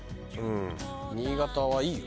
新潟はいいよ。